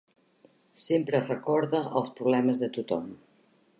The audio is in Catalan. Sempre recorda els problemes de tothom.